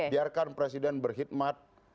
biarkan presiden berkhidmat